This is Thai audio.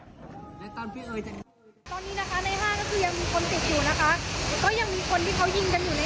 ตอนนี้นะคะในห้างก็คือยังมีคนติดอยู่นะคะก็ยังมีคนที่เขายิงกันอยู่ในห้าง